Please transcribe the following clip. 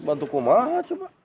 bantu ku banget coba